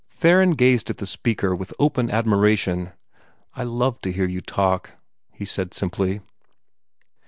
Theron gazed at the speaker with open admiration. "I love to hear you talk," he said simply.